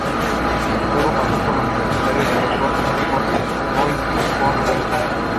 Luego pasó por Universitario de Deportes, Sport Boys y Sporting Cristal.